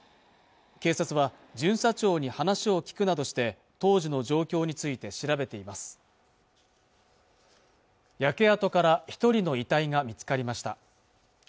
警察は巡査長に話を聞くなどして当時の状況について調べています焼け跡から一人の遺体が見つかりました